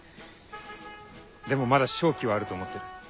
でもまだ勝機はあると思ってる。